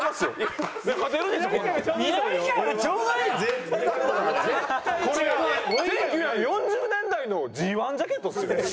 １９４０年代のＧ−１ジャケットですよ？